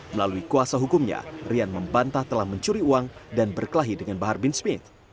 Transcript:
melalui kuasa hukumnya rian membantah telah mencuri uang dan berkelahi dengan bahar bin smith